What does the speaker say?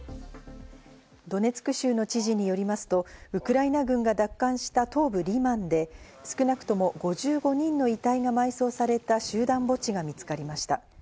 ドネツク州の知事によりますと、ウクライナ軍が奪還した東部リマンで、少なくとも５５人の遺体が埋葬された集団墓地が見つかりました。